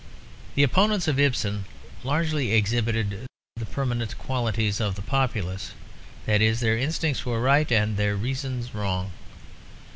The opponents of Ibsen largely exhibited the permanent qualities of the populace; that is, their instincts were right and their reasons wrong.